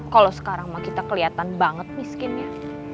kalau sekarang mah kita kelihatan banget miskinnya